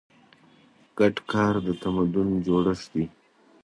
ګډ کار د تمدن جوړښت دی.